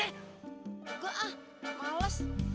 enggak ah males